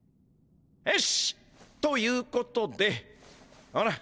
よし！ということでほら。